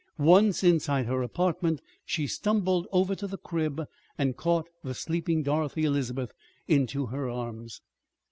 Once inside her apartment she stumbled over to the crib and caught the sleeping Dorothy Elizabeth into her arms.